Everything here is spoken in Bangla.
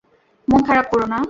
মন খারাপ করো না।